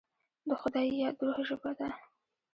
د خدای یاد، د روح ژبه ده.